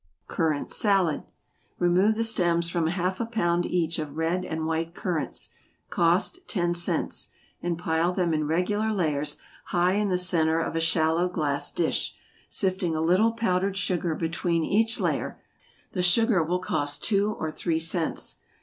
=Currant Salad.= Remove the stems from half a pound each of red and white currants, (cost ten cents,) and pile them in regular layers high in the centre of a shallow glass dish, sifting a little powdered sugar between each layer; the sugar will cost two or three cents.